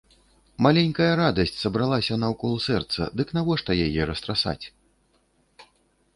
Маленькая радасць сабралася наўкол сэрца, дык навошта яе растрасаць?